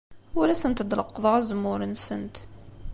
Ur asent-d-leqqḍeɣ azemmur-nsent.